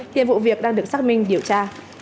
hiện vụ việc đang được xác minh điều tra